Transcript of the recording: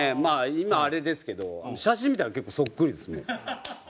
今あれですけど写真見たら結構そっくりですもう。